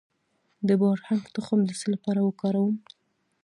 د بارهنګ تخم د څه لپاره وکاروم؟